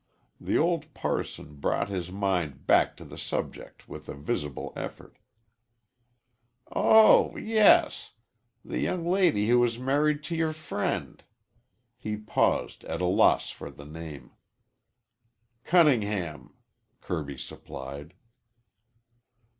The old parson brought his mind back to the subject with a visible effort. "Oh, yes! The young lady who was married to your friend " He paused, at a loss for the name. " Cunningham," Kirby supplied.